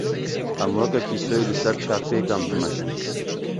Em weke kîsoyê li ser çarpêkan bimeşin.